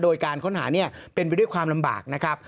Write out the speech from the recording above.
โดยการค้นหาเป็นไปด้วยความลำบากนะครับ